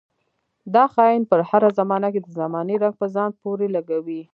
دا خاين پر هره زمانه کې د زمانې رنګ په ځان پورې لګوي.